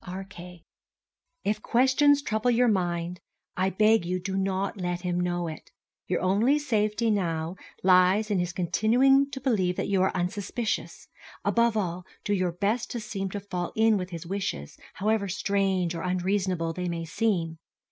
R.K. If questions trouble your mind, I beg you do not let him know it. Your only safety now lies in his continuing to believe that you are unsuspicious. Above all, do your best to seem to fall in with his wishes, however strange or unreasonable they may seem.